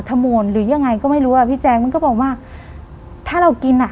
ขโมยหรือยังไงก็ไม่รู้อ่ะพี่แจ๊คมันก็บอกว่าถ้าเรากินอ่ะ